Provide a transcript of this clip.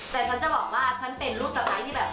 แต่ฉันจะบอกว่าฉันเป็นลูกสไตล์ที่แบบ